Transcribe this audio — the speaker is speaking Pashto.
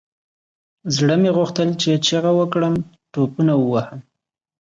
زړه مې غوښتل چې چيغه وكړم ټوپونه ووهم.